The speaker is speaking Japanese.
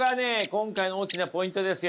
今回の大きなポイントですよ。